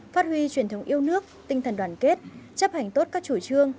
phát huy truyền thống yêu nước tinh thần đoàn kết chấp hành tốt các chủ trương